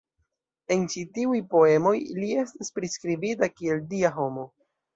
En ĉi tiuj poemoj li estas priskribita kiel dia homo.